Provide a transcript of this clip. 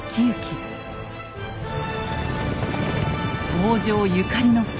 北条ゆかりの地